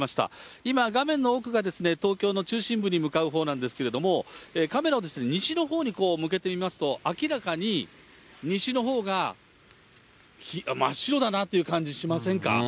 今、画面の奥が東京の中心部に向かうほうなんですけれども、カメラを西のほうに向けてみますと、明らかに西のほうが真っ白だなという感じしませんか？